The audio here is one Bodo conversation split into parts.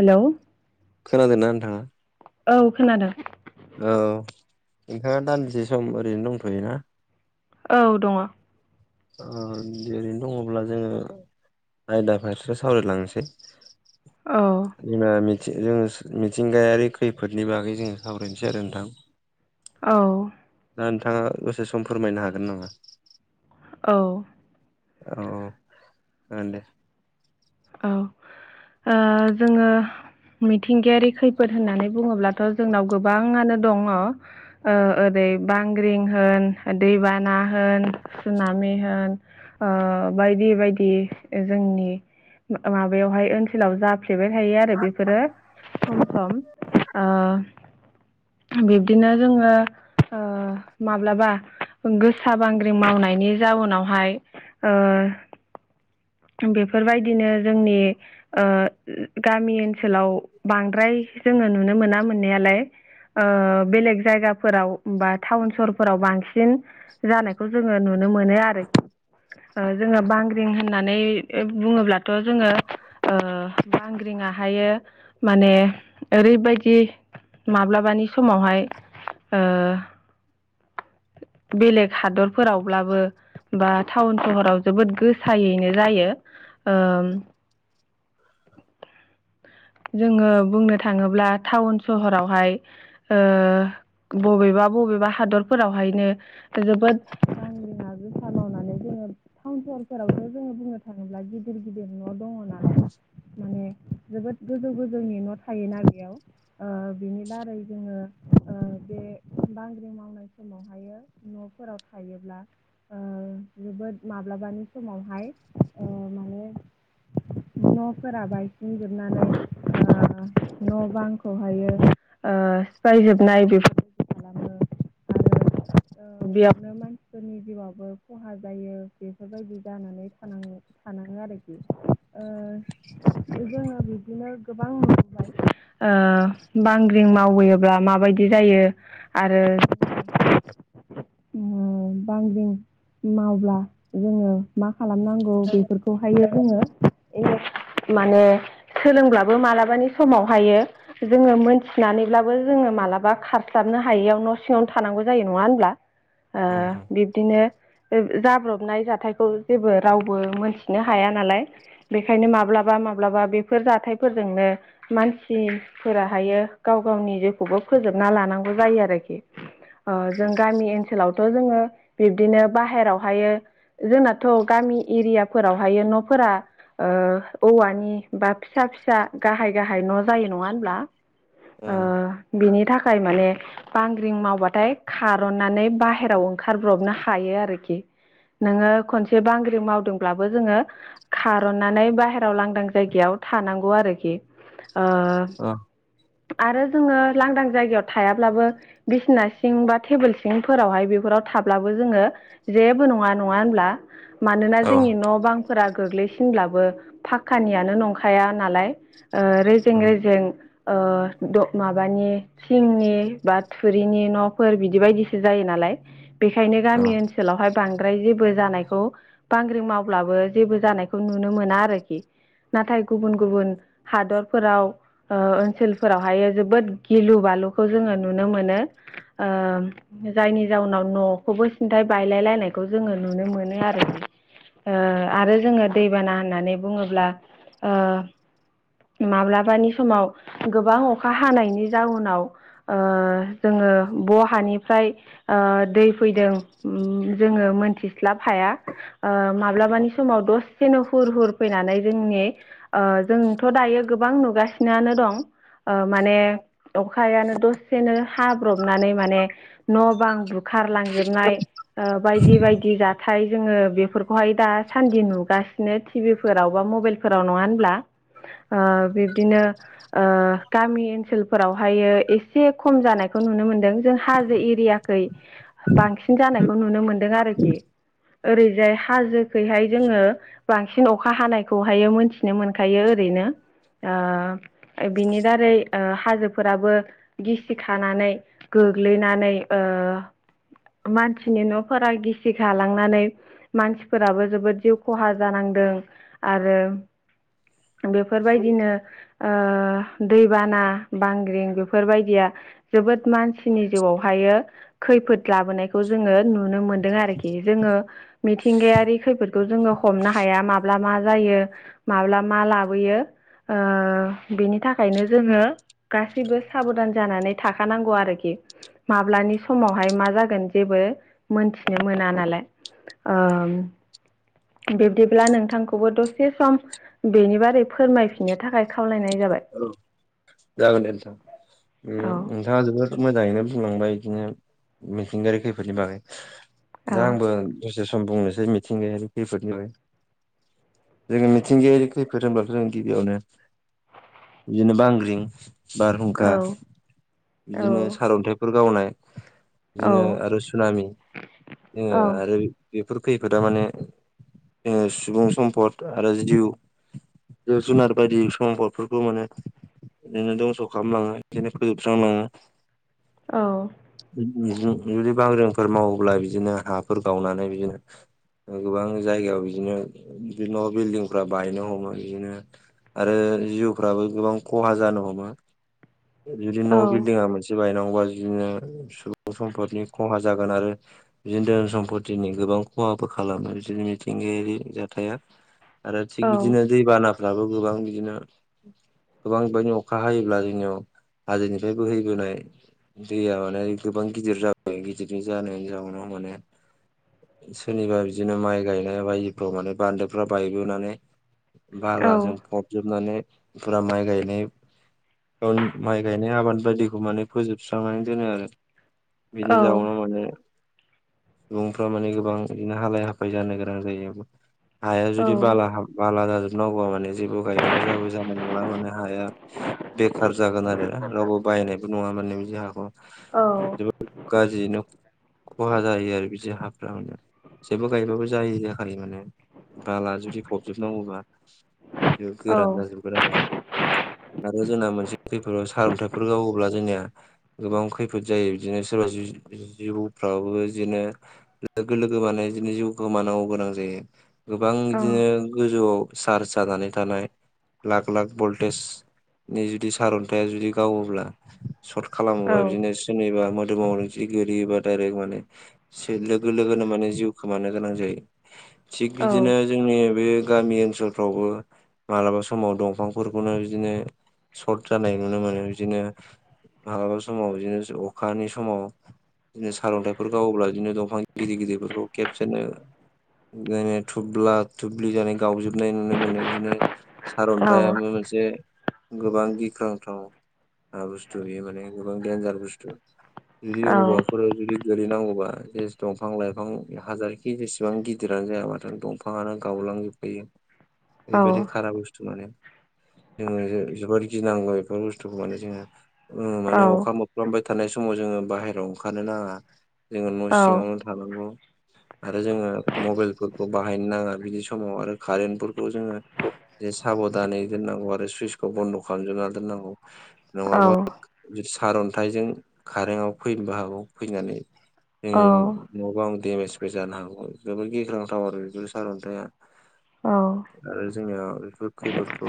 हेल' खोनादों ना नोंथाङा औ खोनादों औ नोंथाङा दन्से सम ओरैनो दंथ'योना औ दङ। ओरैनो दङब्ला जोङो आयदा फारसे सावरायलांनोसै औ [unintelligible] जों थि मिथिंगायारि खैफोदनि बागै जोङो सावरायनोसै आरो नोंथां औ दा नोंथाङा दसे सम फोरमायनो हागोन नामा? औ औ जागोन दे औ ओ जोङो मिथिंगायारि खैफोद होननानै बुङोब्लाथ' जोंनाव गोबाङानो दङ ओरै बांग्रिं होन दैबाना होन सुनामि होन ओ बायदि बायदि जोंनि माबायावहाय ओनसोलाव जाफ्लेबाय थायो आरो बेफोरो सम सम ओ बिब्दिनो जोङो ओ माब्लाबा गोसा बांग्रि मावनायनि जाउनावहाय ओ बेफोरबायदिनो जोंनि ओ गामि ओनसोलाव बांद्राय जोङो नुनो मोना मोननायालाय बेलेग जायगाफोराव बा टाउन सहरफोराव बांसिन जानायखौ जोङो नु नो मोनो आरो जोङो बांग्रिं होननानै बुङोब्लाथ' जोङो ओ बांग्रिङाहायो माने ओरैबायदि माब्लाबानि समावहाय ओ बेलेग हादरफोरावब्लाबो बा टाउन सहराव जोबोद गोसायै नो जायो ओ जोङो बुंनो थाङोब्ला टाउन सहरावहाय ओ बबेबा बबेबा हादरफोरावहायनो जोबोद बांग्रिया गोसा मावनानै जोङो टाउन सहरफोरावसो जोङो बुंनो थाङोब्ला गिदिर गिदिर न' दङ ना जोबोद गोजौ गोजौनि न' थायोना बेयाव ओ बेनि दारै जोङो ओ बे बांग्रि मावनाय समावहायो न'फोराव थायोब्ला जोबोद माब्ला बासमावहाय माने न'फोरा बांसिन जोबना थानाय समाव न' बांखौहायो सिफायजोबनाय बेफोर [unintelligible] खालामो आरो बेयावनो मानसिफोरनि जिउआबो खहा जायो बेफोरबायदि जानानै थानाङो थानाङो आरोखि जोङो बिदिनो गोबां नुबाय ओ बांग्रि मावबोयोब्ला माबायदि जायो आरो [inaudible] बांग्रिं मावब्ला जोङो मा खालामनांगौ बेफोरखौहायो जोङो माने सोलोंब्लाबो मालाबानि समावहायो जोङो मोनथिनानैब्लाबो जोङो मालाबा खारस्लाब थानो हायियाव न' सिङावनो थानांगौ जायो नङा होनब्ला औ नोंथां बिब्दिनो जाब्रब जाबरबनाय जाथायखौ जेबो रावबो मोनथिनो हाया नालाय बेखायनो माब्लाबा माब्लाबा बेफोर जाथायफोरजोंनो मानसिफोराहायो गाव गावनि जिउखौबो फोजोबना लानांगौ जायो आरो खि जों गामि जङो बिब्दिनो बाहेरावहायो जोंनाथ' गामि एरियाफोरावहायो न'फोरा औवानि बा फिसा फिसा गाहाय गाहाय न' जायो नङा होनब्ला औ बिनि थाखाय माने बांग्रिं मावबाथाय खारननानै बाहेराव ओंखारब्रबनो हायो आरोखि नोङो खनसे बांग्रि मावदोंब्लाबो जोङो खारननानै बाहेरायाव लांदां जायगायाव थानांगौ आरोखि ओ औ आरो जोङो लांदां जायगायाव थायाब्लाबो बिसिना सिं बा टेबोल सिं फोरावहाय बेफोराव थाब्लाबो जोङो जेबो नङा नङा होनब्ला मानोना औ जोंनि न' बांफोरा गोग्लैसिनब्लाबो पाक्कानियानो नंखाया नालाय ओ रेजें औ रेजें ओ माबानि थिंनि बा थुरिनि न'फोर बिदि बायदिसिना जायो नालाय बेखायनो औ गामि ओनसोलावहाय बांसिन ओमफ्राय जेबो जानायखौ बांग्रिं मावब्लाबो जेबो जानायखौ नुनो मोना आरोखि नाथाय गुबुन गुबुन हादरफोराव ओनसोलफोरावहायो जोबोद गिलु-बालु आलुखौ जोङो नुनो मोनो जायनि जाउनाव न'खौबो सिन्थाय बायलाय लायनायखौ जोङो नुनो मोनो आरो आरो जोङो दैबाना होननानै बुङोब्ला माब्लाबानि समाव गोबां अखा हानायनि जाउनाव जों ब' हानि फैदों जो मोनथि्सालाब हाया माबालाबा माबानि समाव दसेनो हुर हुर फैनानै जोंनि जोंथ' दायो गोबां नुगासिनो दं माने अखायानो दसेनो हाब्रबनानै माने न' बां बुखारलांजोबनाय बायदि बायदि जाथाय जोङो बेफोरखौहाय दासान्दि नुगासिनो टिभिफोराव बा मबाइल सोराव नङा होनब्ला बिब्दिनो गामि ओनसोलफोरावहायो एसे खम जानाय नुनो मोन्दों जों हाजो एरियाखै बांसिन जानायखौ नुनो मोनदों आरोखि ओरैजाय हाजोखैहाय जोङो बांसिन अखा हानायखौहायो मोनन्थिनो मोनखायो ओरै ओरो ना बिनि दारै हाजोफोराबो गिसिखानानै गोग्लैनानै मानसिनि न'फोरा गिसिखालांनानै मानसिफोराबो जोबोद जिउ खहा जानांगौ आरो [inaudible] बेफोरबायदिनो दैबाना बांग्रिं बेफोरबायदिया जोबोद मानसिनि जिउआवहायो खैफोद लाबोनायखौ जोङो नुनो मोनदों आरोखि जोङो मिथिंगायारि खैफोद बेखौ जोङो हमनो हाया माब्ला मा जायो माब्ला मा लाबोयो बिनि थाखायनो जोङो गासैबो साबधान जानानै थाखानांगौ आरोखि माब्लानिफ्राय समावहाय मा जागोन जेबो मोनथिनो मोना नालाय बिब्दिब्ला नोंथांखौबो दसे सम बेनि बारै फोरमायफिननो थाखाय खावलायनाय जाबाय औ जागोन दे नोंथां। औ नोंथाङा जोबोद मोजाङैनो बुंलांबाय बिदिनो मिथिंगायारि खैफोदनि बागै औ दा आंबो दसे सम बुंनोसै से मिथिंगायारि खैफोदफोरनि जोङो मिथिंगायारि खैफोद होनब्लाथ' जों गिबियावनो बिदिनो बांग्रिं औ बारहुंखा औ बिदिनो सारअन्थाइफोर गावनाय औ बिदिनो आरो सुनामि जोङो औ आरो बेफोर खै-खैफोदा माने सुबुं सम्पद आरो [unintelligible] जिब- जुनार बायदि समफोरखौफोरखौ माने बिदिनो दंस' खालामलाङो बिदिनो फोजोबस्रांलाङो औ जुदि बांग्रिफोर मावोब्ला बिदिनो हाफोर गावनानै बिदिनो गोबां जायगायाव बिदिनो न' बिल्डिंफ्रा बायनो हमो बिदिनो आरो जिउफ्राबो गोबां ख खहा जानो हमो। जुदि औ न' बिल्दिंआ मोनसे बायनांगौ बिदिनो सुबुं सम्पदनि खहा जागोन आरो बिदिनो धोन सम्पतिनि गोबां खहा खालामो बिदिनो मिथिंगायारि जाथाया आरो थिग औ बिदिनो दैबानाफ्राबो गोबां बिदिनो गोबां बिबांनि अखा हायोब्ला जोंनियाव हाजोनिफ्राय बोहैबोनाय दैया माने गोबां गिदिर जाबाय गिदिर जानाय जाउनाव माने सोरनिबा बिदिनो माइ गायनाय बायदिफ्राव माने बान्दोफ्रा बायबोनानै औ बालाजों फबजोबनानै फुरा माइ माइ गायनाय माइ गायनाय आबाद बायदिखौ माने फोजोबस्रांनानै दोनो आरो। औ बिनि जाउनावनो माने सुबुंफ्रा माने गोबां बिदिनो हालाय हाफाय जानो गोनां जायो। हाया जुदि बाला हा बाला जाजोब नांगौबा माने जेबो गायबाबो जेबो जानाय नंला माने हाया बेखार जागोन आरो रावबो बायनायबो नङा माने बिदि हाखौ औ औ जोबो द गाज्रियैनो खहा जायो आरो बिदि हाफ्रा मे जेबो गायबाबो जायि जाखायो माने बालाआ जुदि फबजोबनांगौबा जे गोरान जाजोबगोन आरो। आरो जोंना मोनसे खैफोदाव सारअन्थाइफोर गावोब्ला जोंनिया गोबां खैफोद जायो बिदिनो सोरबा। जि-जि-जिउफ्राबो बिदिनो लोगो लोगो मानाय बिदिनो जिउखौ मानांगौ गोनां जायो। गोबां औ बिदिनो गोजौआव चार्ज जानानै थानाय लाख लाख बल्ट टेज नि जुदि सारन्थाय जुदि गावोब्ला सर्ट औ खालामोबा बिदिनो सोरनिबा मो दोरोमाव जि गोलिबा डायरेक्ट माने लोगो लोगोनो माने जिउ खोमानो गोनां जायो। थिग बिदिनो जोंनि बे गामि ओनसोलफ्रावबो मालाबा समाव दंफां फोरखौनो बिदिनो सर्ट जानाय नुनो मोनो बिदिनो। मालाबा समाव ज अखानि समाव। बिदिनो सारन्थाइफोर गावोब्ला बिदिनो दंफां गिदिर गिदिरफोरखौ खेबसेनो। बिनो थुब्ला थुब्लि जानाय गावजोबनाय नुनो मोनो बिदिनो सारन्थाइ मोनसे गोबां गिख्रांथाव। हा बुस्थु बेयो माने गोबां देन्जार बुस्थु। जुदि अबेबाफोराव जुदि गोलैनांगौबा सेज दंफां लाइफां हाजारखि जेसेबां गिदिरानो जायामाथो दंफाङानो गावलांजोबखायो ओरैबायदि खारा बुस्थु माने जोङो जो-जोबोद गिनांगौ बेफोर बुस्थुखौ माने जोङो माने अखा अफ्लामबाय थानाय समाव जोङो बाहेरायाव ओंखारनो नाङा जोङो न' सिङावनो थानांगौ। आरो जोङो मबाइलफोरखौ बाहायनो नाङा बिदि समाव आरो कारेन्टफोरखौ जोङो जे साबदा दानै दोननांगौ आरो सुइसखौ बन्द' खालामजोबना दोननांगौ। औ। नङाबा सारन्थाइजों खारेनाव फैनोबो हागौ फैनानै। जोंनि न' बांं देमेजबो जानो हागौ जोबोद गिख्रांथाव आरो बेफोर सारअन्थाया। औ। जोङो बेफोर खैफोदखौ।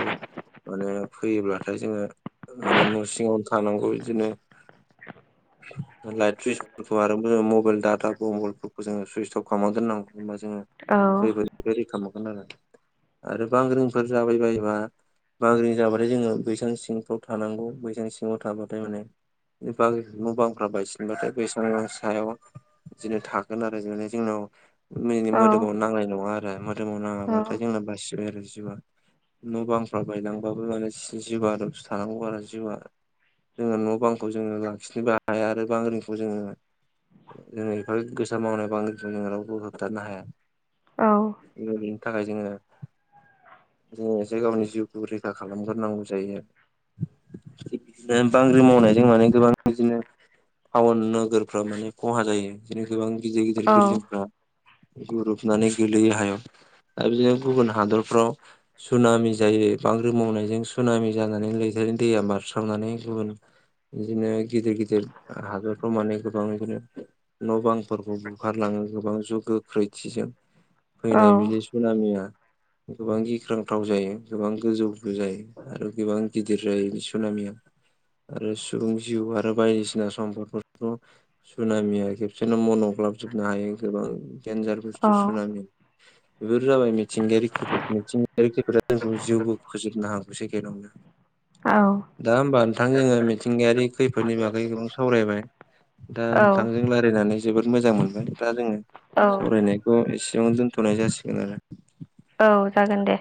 माने फैयोब्लाथाय जोङो माने न' सिङावनो थानांगौ बिदिनो। [inaudible] लाइट सुइसफोरखौ आरो जोङो मबाइल डाटाखौ मबाइलफोरखौ जोङो सुइस अफ खालामनानै दोननांगौ। जोङो खैफोदनि रैखा मोनगोन आरो आरो बांग्रिंफोर जाबाय बायोबा। बांग्रिं जाबाथाय जोङो बैसां सिंफ्राव थानांगौ बैसां सिङाव थाबाथाय माने। न' बांफ्रा बायसिनबाथाय बैसां सायाव बिदिनो थागोन आरो बि जोंनाव। बिनि मोदोमाव नांनाय नङा आरो मोदोमाव नाङाब्लाथाय जोंना बासिबाय आरो जिउआ न' बांफ्रा बायलांबाबो माने जिउआसो थानांगौ आरो जिउआ। जोङो न' बांखौ जोङो लाखिनोबो आरो बांग्रिंखौ जोङो। जोङो बेफोर गोसा मावनाय बांग्रिंखौ जोङो रावखौबो होबथानो हाया। औ। नि थाखाय जोङो। जोङो एसे गावनि जिउखौ रैखा खालामग्रोनांगौ जायो आरो। बांग्रि मावनायजों माने गोबां बिदिनो। टाउन नोगोरफ्रा माने खहा जायो बिदिनो गोबां गिदिर गिदिर बिल्डिंफ्रा। गोरोबनानै गोलैयो हायाव आरो बिदिनो गुबुन हादरफ्राव। सुनामि जायो बांग्रिं मावनायजों सुनामि जानानै लैथोनि दैया बारस्रावनानै गुबुन। बिदिनो गिदिर गिदिर हादरफ्राव माने गोबां बिदिनो न' बांफोरखौ बुखारलाङो। गोबां ज गोख्रैथिजों फैनाय बिदि सुनामिया। गोबां गिख्रांथाव जायो गोबां गोजौबो जायो आरो गोबां गिदिर जायो बि सुनामिया आरो सुबुं जिउ आरो बायदिसिना सम्पद फोरखौ सुनामिया खेबसेनो मन' ग्लाबजोबनो हायो गोबां देनजार बुस्थु सुनामि बेफोर जाबाय मिथिंगायारि खैफोद मिथिंगायारि खैफोदआ जोंखौ जिउबो फोजोबनो हागौ सेकेनावनो दा होमबा नोंथां जोङो मिथिंगायारि खैफोदनि बागै गोबां सावरायबाय दा औ नोंथांजों रायलायनानै जोबोद मोजां मोनबाय दा जोङो औ औ सावरायनाय खौ एसेआवनो दोन्थ'नाय जासिगोन आरो औ जागोन दे